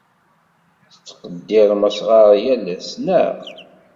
Tettqeddirem asɣar yal ass, naɣ?